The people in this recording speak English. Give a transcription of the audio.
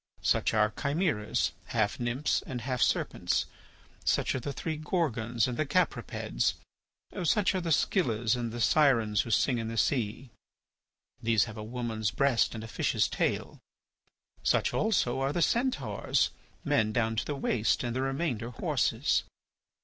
Such are chimeras—half nymphs and half serpents; such are the three Gorgons and the Capripeds; such are the Scyllas and the Sirens who sing in the sea. These have a woman's breast and a fish's tail. Such also are the Centaurs, men down to the waist and the remainder horses.